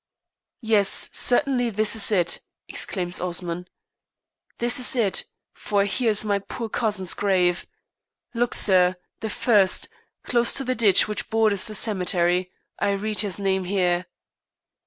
"Yes, certainly this is it," exclaims Osman, "this is it, for here is my poor cousin's grave. Look, sir, the first, close to the ditch which borders the cemetery. I read his name here."